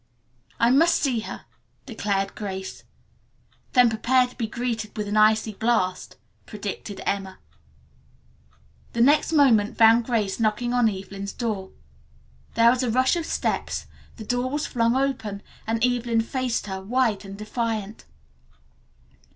"I must see her," declared Grace. "Then prepare to be greeted with an icy blast," predicted Emma. The next moment found Grace knocking on Evelyn's door. There was a rush of steps, the door was flung open and Evelyn faced her, white and defiant.